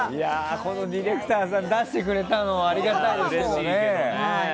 このディレクターさん出してくれたのありがたいけど。